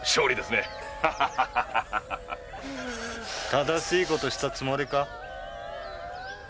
正しい事したつもりか？